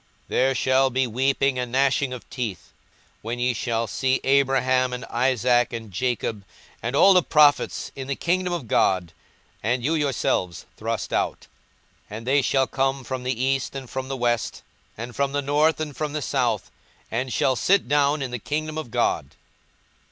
42:013:028 There shall be weeping and gnashing of teeth, when ye shall see Abraham, and Isaac, and Jacob, and all the prophets, in the kingdom of God, and you yourselves thrust out. 42:013:029 And they shall come from the east, and from the west, and from the north, and from the south, and shall sit down in the kingdom of God.